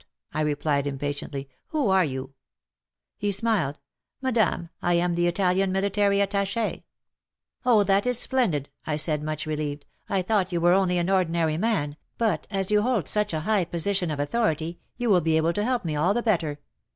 " I replied impatiently. " Who are you ?" He smiled. " Madam, I am the Italian Military Attach^ !" WAR AND WOMEN 121 Oh ! that is splendid," I said, much relieved. '' I thought you were only an ordinary man, but as you hold such a high position of authority you will be able to help me all the better.